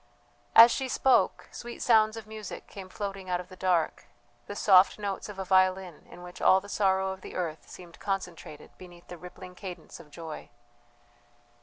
As she spoke, sweet sounds of music came floating out of the dark the soft notes of a violin in which all the sorrow of the earth seemed concentrated beneath the rippling cadence of joy.